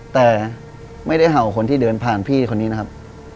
แต่ไม่ได้เห่าคนที่เดินผ่านพี่คนนี้นะครับ